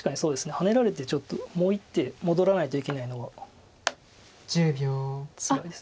ハネられてちょっともう１手戻らないといけないのがつらいです。